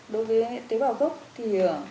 đối với tế bào gốc thì